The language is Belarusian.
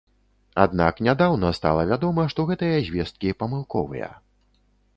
Аднак нядаўна стала вядома, што гэтыя звесткі памылковыя.